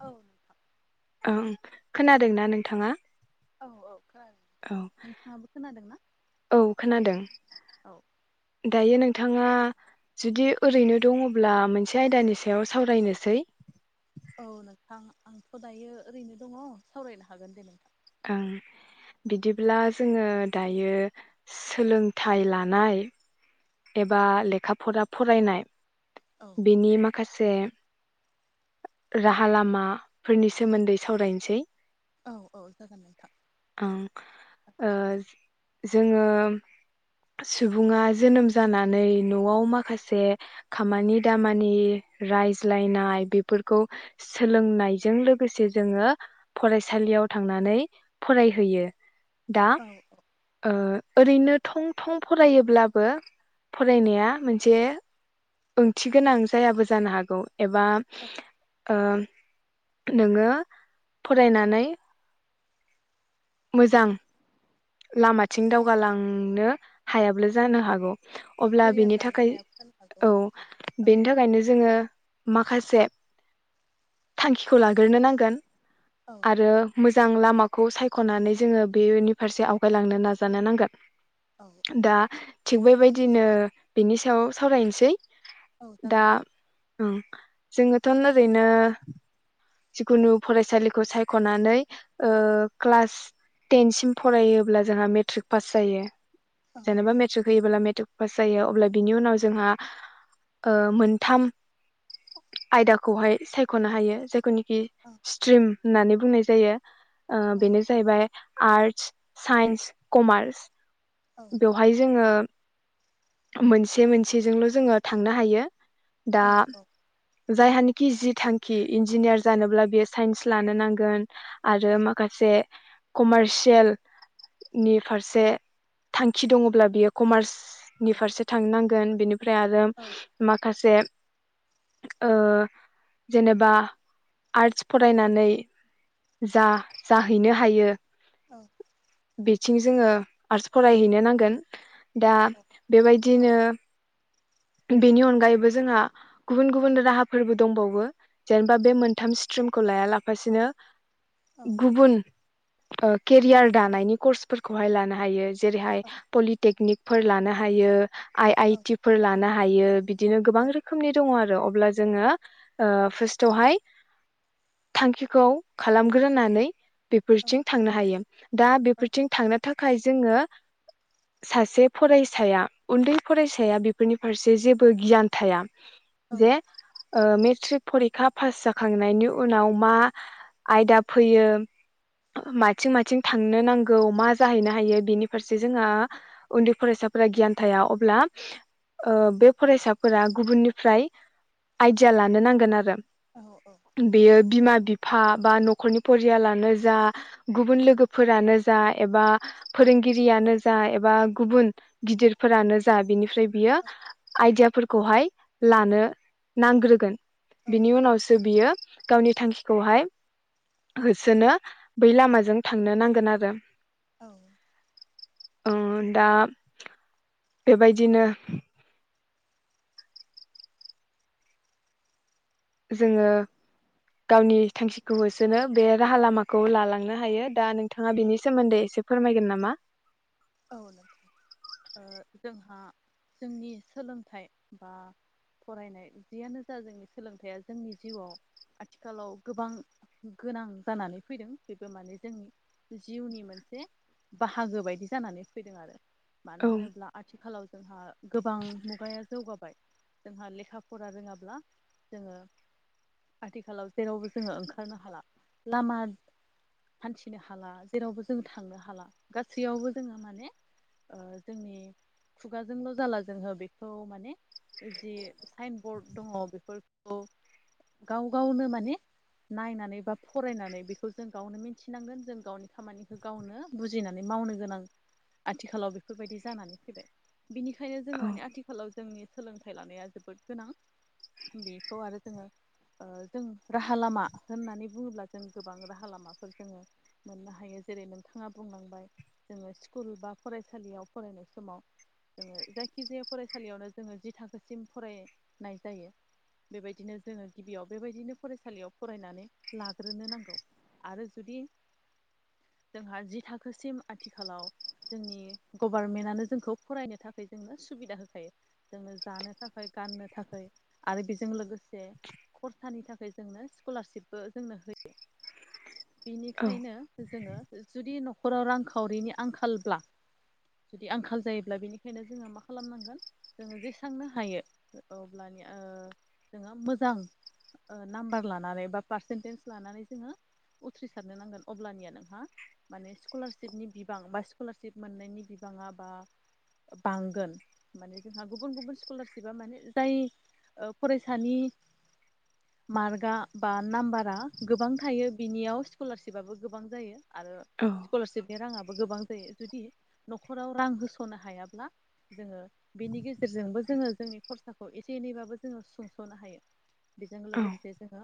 औ ओं खोनादोंना नोंथाङा? औ औ। खोनादों नोंथां। औ नोंथाङाबो खोनादों ना? औ खोनादों औ दायो नों नोंथाङा जुदि ओरैनो दङब्ला मोनसे आयदानि सायाव सावरायनोसै औ नोंथां आंथ' दायो ओरैनो दङ सावरायनो हागोन दे नोंथां। ओं उम बिदिब्ला जोङो दायो सोलोंथाइ लानाय एबा लेखा फरा फरायनाय औ बिनि मा खासे राहा लामाफोरनि सोमोन्दै सावरायनोसै औ औ जागोन नोंथां ओं ओ जोङो सुबुङा जोनोम जानानै न'आव माखासे खामानि दामानि रायज्लायनाय बेफो फोरखौ सोलोंनायजों लोगोसे जोङो फरायसालियाव थांनानै फराय हैयो दा औ ओ ओरैनो थं थं फरायोब्लाबो फरायनाया मोनसे ओंथि गोनां जायाबो जानो हागौ। एबा औ ओ नोङो फरायनानै मोजां लामाथिं दावगालांनो हायाब्ला जानो हागौ। औ अब्ला केरियार बेनि दानो थाखाय, हायाबो जानो हागौ औ औ बेनि थाखायनो जोङो माखासे थांखिखौ लाग्रोनो नांगोन औ आरो। मोजां लामाखौ सायख'नानै जोङो बेनि फारसे आवगायलांनो नाजानो नांगोन। औ दा थिग बेबायदिनो बिनि सायाव सावरायनोसै। औ जागोन दे। उम जोङोथ' ओरैनो। जिखुनु फरायसालिखौ सायख'नानै ओ क्लास टेनसिम फरायोब्ला जोंहा मेट्रिक पास जायो औ जेनेबा औ मेट्रिक होयोब्ला मेट्रिक। पास जायो अब्ला बिनि उनाव जोंहा ओ मोनथाम आयदाखौहाय सायख'नो हायो, जाय खि औ स्ट्रिम होननानै बुंनाय जायो, ओ औ बेनो जाहैबाय आर्टस, साइन्स, कमार्स औ बेवहाय जोङो मोनसे मोनसेजोंल' जोङो थांनो हायो दा। औ जायहानिखि जि थांखि इन्जिनियार जानोब्ला बेयो साइन्स लानो नांगोन। औ आरो माखासे कमारसियेल नि फारसे थांखि दङब्ला बियो कमार्स औ नि फारसे थांनोनांगोन बेनिफ्राय आरो औ माखासे ओ जेनेबा आर्टस फरायनानै जा जाहैनो हायो औ बिथिं जोङो आर्ट्स फरायहैनो नांगोन, दा औ औ बेबायदिनो बेनि अनगायैबो जोंहा गुबुन गुबुन राहाफोरबो दंबावो जेनेबा बे मोनथाम स्ट्रि खौ लाया लाफासिनो गुबुन केरियार दानायनि कर्सफोरखौहाय लानो हायो। जेरैहाय पलिटेकनिक फोर लानो हायो आइ आइटि फोर लानो हायो बिदि बिदिनो गोबां औ रोखोमनि दङ आरो अब्ला जोङो फार्स्टआवहाय थांखिखौ खालामग्रोनानै बेफोरथिं थांनो हायो दा बेफोरथिं थांनो। थाखाय जोङो सासे फरायसाया उन्दै फरायसाया बेफोरनि फारसे जेबो गियान थाया जे मे मेट्रिक परिखा पास जाखांनायनि उनाव मा आयदा फैयो माथिं माथिं थांनो नांगौ मा जाहैनो हायो बेनि फारसे जोंहा उन्दै फरायसा फोरफोरा गियान थाया अब्ला बे फरायसाफोरा गुबुननिफ्राय आइडिया लानो नांगोन आरो। बेयो बिमा बिफा ा बा न'खरनि फरियालानो जा गुबुन लोगोफोरानो जा एबा फोरोंगिरि गिरियानो जा एबा गुबुन गिदिरफोरानो जा बिनिफ्राय बियो आइदिियाफोरखौहाय लानो नांग्रोगोन। बिनि उनावसो बियो गावनि थांखिखौहाय होसोनो बै लामाजों थांनो नांगोन आरो। औ दा बेबायदिनो जोङो गावनि थांखिखौ होसोनो बे राहा लामाखौ लालांनो हायो दा नोंथाङा बेनि सोमोन्दै एसे फोरमायगोन नामा? औन जोंहा जोंनि सोलोंथाइ बा फरायनाय जियानो जा जोंनि सोलोंथाइया जोंनि जिउआव आथिखालाव गोबां गोनां जानानै फैदों बेबो माने जोंनि जिउनि मोनसे बाहागो बायदिसिना जानानै फैदों आरो मानो औ होनोब्ला आथिखालाव जोंहा गोबां मुगाया जौगाबाय। जोंहा लेखा फरा रोङाब्ला जोङो आथिखालाव जेरावबो जोङो ओंखारनो हाला लामा। हान्थिनो हाला जेरावबो जों थांनो हाला गासैयावबो जोङो माने जोंनि खुगाजोंल' जाला जोंङो बेखौ माने जि साइन बरर्ड दङ बेफोरखौ गाव गावनो माने नायनानै बा फरायनानै बेखौ जों गावनो मिन्थिनांगोन जों गावनि खामानिखौ गावनो बुजिनानै। मावनो गोनां आथिखालाव बेफोरबायदि जानानै फैबाय बिनिखायनो जों औ माने आथिखालाव जोंनि सोलोंथाइ लानाया जोबोद गोनां बेखौ आरो जोङो। जों राहा लामा होननानै बुङोब्ला जों गोबां राहा लामाफोर जोङो मोननो हायो। जेरै नोंथाङा बुंलांबाय जोङो स्कुल बा फरायसालियाव फरायनाय समाव जोङो जायखिजाया फरायसालियावनो जोङो जि थाखोसिम फरायनाय जायो। बेबायदिनो जोङो गिबियाव बेबायदिनो फरायसालियाव फरायनानै लाग्रोनो नांगौ। आरो जुदि जोंहा जि थाखोसिम आथिखालाव जोंनि गभारनमेन्टनो जोंखौ फरायनो थाखाय जोंनो सुबिदा होखायो जों जानो थाखाय गाननो थाखाय आरो बेजों लोगोसे खरसानि थाखाय जोंनो स्कलारशिपबो जोंनो होयो। औ बिनिखायनो जोङो जुदि न'खराव रांखावरिनि आंखालब्ला जुदि आंखाल जायोब्ला बेनिखायनो जोङो मा खालामनांगोन जोङो जेसांनो हायो अ्लानो जो मोजां नाम्बार लानानै बा पारसेन्टेज लानानै जोङो उथ्रिसारनो नांगोन अब्लानिया नोंहा माने स्कलारशिपनि बिबां बा स्कलारशिप मोननायनि बि [unintelligible] बांगोन माने जोंहा गुबुन गुबुन स्कलारसिपा माने जाय फरायसानि मार्कआ बा नाम्बारा गोबां थायो। बिनियाव स्कलारसिपाबाबो गोबां जायो आरो औ स्कलारशिपनि राङाबो। गोबां जायो जुदि न'खराव रां होस'नो हायाब्ला जोङो बेनि गेजेरजोंबो जोङो जोंनि खरसाखौ एसे एनैबाबो जोङो सुंस'नो हायो। बेजों औ लोगोसे जोङो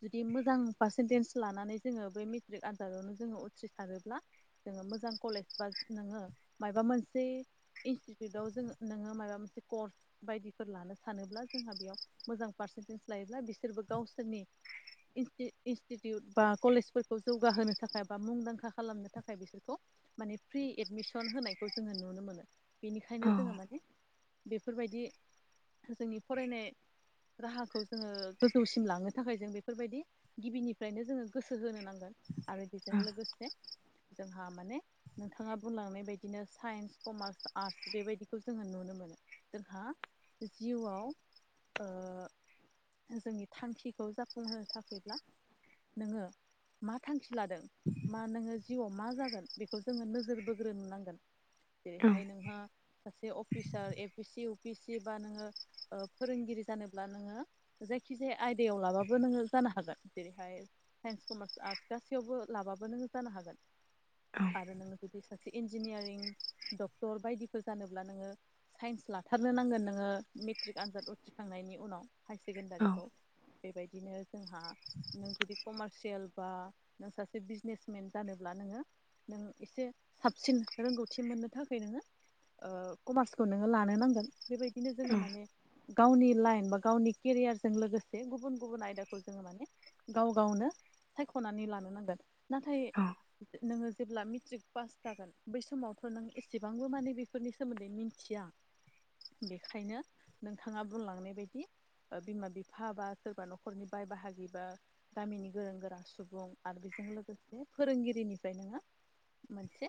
जुदि मोजां पारसेन्टेन्स लानानै जोङो बे मेट्रिक आनजादावनो जोङो उथ्रिसारोब्ला जोङो मोजां कलेज बा नोङो माबा मोनसे इनस्टिटिउटाव जो नोङो माबा मोनसे कर्स बायदिफोर ला लानो सानोब्ला जोंहा बेयाव मोजां पारसेन्टेज लायोब्ला बिसोरबो गावसोरनि इनस्टिटिउट बा कलेजफोरखौ जौगाहोनो थाखाय बा मुंदांखा खालामनो थाखाय बिसोरखौ माने फ्रि एडमिसन होनायखौ जोङो नुनो मोनो बेनिखायनो औ जोङो माने बेफोरबायदि जोंनि फरायनाय राहाखौ जोङो गोजौसिम लांनो थाखाय जों बेफोरबायदि गिबिनिफ्रायनो जोङो गोसो होनो नांगोन आरो बेजों औ लोगोसे जोंहा माने नोंथाङा बुंलांनाय बायदिनो साइन्स कमार्स आर्टस बेबायदिखौ जोङो नुनो मोनो। जोंहा जिउआव जोंनि थांखिखौ जाफुंहोनो थाखायब्ला नोङो मा थांखि लादों मा नोङो जिउआव मा जागोन बेखौ जोङो नोजोर [unintelligible] औ औ जेरैहाय नोंहा सासे officer A P C U P C बा नोङो फोरोंगिरि जानोब्ला नोङो जायखि जखिजाया आयदायाव लाबाबो नोङो जानो हागोन। जेरैहाय साइन्स कमार्स आर्टस गासैयावबो लाबाबो नोङो जानो हागोन। औ आरो नोङो जुदि सासे इन्जिनियारिं डक्टर बायदिफोर जानोब्ला नोङो साइन्स लाथारनो नांगोन नोङो मेट्रिक आनजाद उथ्रिखांनायनि उनाव हाय सेकेणडारिखौ बेबायदिनो जोंहा नों जुदि कमारसियेल बा नों सासे बिजनेसमेन जानोब्ला नोङो नों एसे साबसिन रोंगौथि मोननो थाखाय नोङो कमार्सखौ नोङो लानो नांगोन बेबायदि बिदिनो जोङो औ माने गावनि लाइन बा गावनि केरियारजों लोगोसे गुबुन गुबुन आयदाखौ जोङो माने गाव गावनो सायख'नानै लानो नांगोन नाथाय नोङो जेब्ला मेट्रिक पास जागोन बै समावथ' नों एसेबांबो माने बेफोरनि सोमोन्दै मिथिया। बेखायनो नोंथाङा बुंलांनाय बायदि बिमा बिफा बा सोरबा न'खरनि बाय बाहागिबा गामिनि गोरों गोरा सुबुं आरो बेजों लोगोसे फोरोंगिरिनिफ्राय नङा मोनसे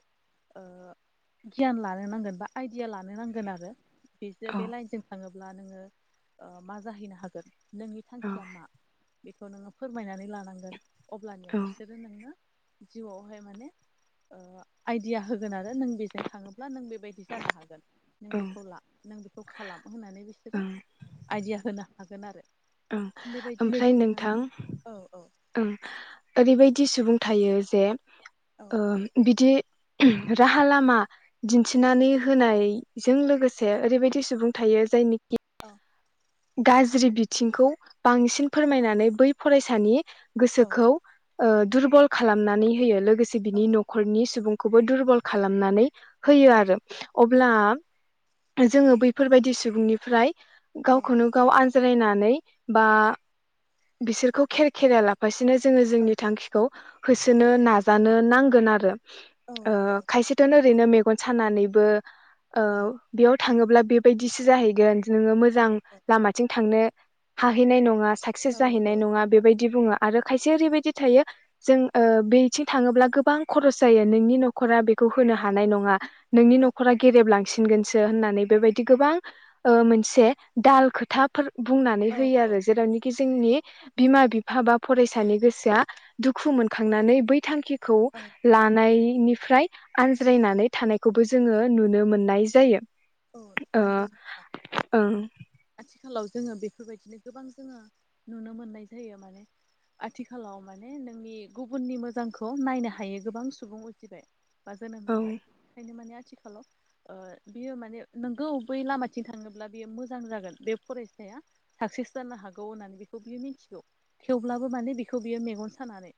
गियान लानो नांगोन बा आय खुया लानो नांगोन आरो बेजों बे औ लाइनजों थाङोब्ला नोङो मा जाहैनो हागोन। नोंनि थांखिया मा बेखौ नोङो फोरमायनानै लानांगोन अब्लानिया बिसोरो नोंङो जिउआवहाय माने आइडिया होगोन आरो नों बेजों थाङोब्ला नों बे बेबायायदि जानो हागोन नों औ बेखौ ला नों बेखौ खालाम होननानै बिसोरो ओं आइडिया होनो हागोन आरो ओ बेबायदिनो ओमफ्राय जोङो नोंथांओ औ औ ओै ओरैबायदि सुबुं थायो जे औ बिदि राहा लामा दिन्थिनानै होनायजों लोगोसे ओरैबायदि सुबुं थायो जायनिखि औ। गाज्रि बिथिंखौ बांसिन फोरमायनानै बै फरायसानि। औ गोसोखौ दुरबल खालामनानै होयो लोगोसे औ बिनि न'खरनि सुबुं खौबो दुरबल खालामनानै औ होयो आरो अब्ला औ जोङो बैफोरबायदि सुबुंनिफ्राय। औ खुनु गाव आनज्रायनानै बा बिसोरखौ खेर खेरा लाफासेनो जोङो औ जोंनि थांखिखौ होसोनो नाजानो नांगोन आरो। औ नंगौ नंगौ खायसेथनो ओरैनो मेगन सानानैबो औ बेयाव थाङोब्ला बेबायदिसो जाहैगोन नोङो औ मोजां। औ लामाथिं थांनो हाहैनाय नङा साक्सेस जाहैनाय औ नङा बेबायदि बुङो। आरो खायसे ओरैबायदि थायो जों बेथिं थाङोब्ला गोबां खरस जायो नोंनि न'खरा बे खौ होनो औ हानाय नङा नोंनि औ न'रा गेरेबलां सिनगोनसो बेबादि गोबां मोनसे खोथाफोर बुंनानै औ होयो औ आरो जेरावनाखि जोंनि बिमा बिफा बा फरायसानि गोसोआ दुखु मोनखांनानै बै थांखि खौ औ लानाय निफ्राय आनज्रायनानै थानायखौबो जोङो नुनो मोननाय जायो औ ओ नंगौ ओं आथिखालाव जोङो बेफोरबायदिनो गोबां जोङो नुनो मोननाय जायो माने आथिखालाव माने नोंनि गुबुननि मोजांखौ नायनो हायो गोबां सुबुं उजिबाय बा जोनोम औ जाबाय ओंखायनो माने आथिखालाव बियो माने नोंगौ बै लामाथिं थांनोब्ला बेयो मोजां जागोन बे फरायसाया साक्सेस जानो हागौ होननानै बेखौ बियो मिथिगौ थेवब्लाबो माने बेखौ बियो मेगन सानानै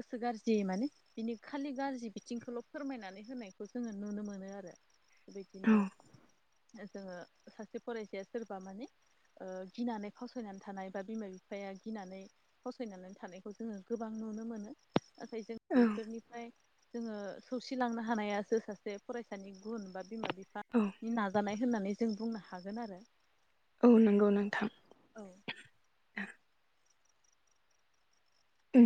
गोसो गाज्रि माने बिनि खालि गाज्रि बिथिंखौल' फोरमायनानै होनायखौ जोङो नुनो मोनो आरो औ बिदिनो जोङो सासे फरायसाया सोरबा माने गिनानै फसायनानै थानाय बा बिमा बिफाया गिनानै फावसायनानै थानायखौ जोङो गोबां नुनो मोनो नाथाय जों औ बेफोरनिफ्राय जोङो सौसिलांनो हानायासो सासे फरायसानि गुन बा बिमा औ बिफानि नाजानाय होननानै जों बुंनो हागोन आरो औ नंगौ नोंथां औ [inaudible]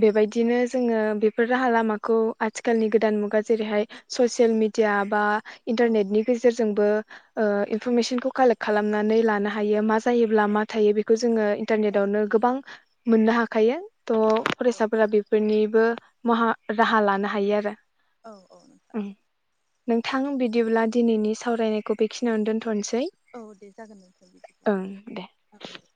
बेबायदिनो जोङो बेफोर राहा लामाखौ आथिखालनि गोदान मुगा जेरैहाय ससियेल मिडिया औ बाइनटारनेटनि गेजेरजोंबो इन्फरमेशनफोरखौ खालेक खालामनानै लाबो नो औ हायो मा जायोब्ला मा थायो बेखौ जोङो औ इन्टारनेटावनो गोबां मोननो हाखायो थह औ फरायसाफोरा बेफोरनिबो म राहा लानो हायो आरो औ औ नोंथां नोंथां बिदिब्ला दिनैनि सावरायनायखौ बेखिनियावनो दोनथ'नोसै औ दे जागोन दोनथ बिदिब्ला ओं दे औ दे